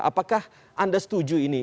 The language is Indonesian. apakah anda setuju ini